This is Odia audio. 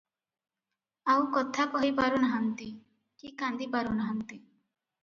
ଆଉ କଥା କହି ପାରୁ ନାହାନ୍ତି, କି କାନ୍ଦି ପାରୁ ନାହାନ୍ତି ।